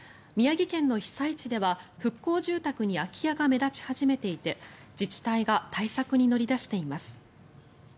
宮城県の被災地では、復興住宅に空き家が目立ち始めていて自治体が対策に乗り出しています。